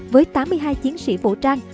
với tám mươi hai chiến sĩ vũ trang